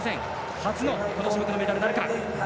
初のこの種目メダル獲得なるか。